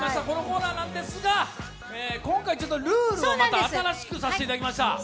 このコーナーなんですが、今回、ルールをまた新しくさせていただきました。